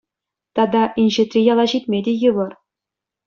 Тата инҫетри яла ҫитме те йывӑр.